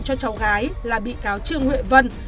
cho cháu gái là bị cáo trương huệ vân